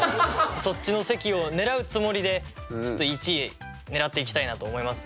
そっちの席を狙うつもりでちょっと１位狙っていきたいなと思います。